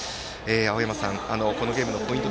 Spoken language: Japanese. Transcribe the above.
青山さん、このゲームのポイント